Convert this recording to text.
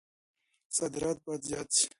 صادرات بايد زيات سي.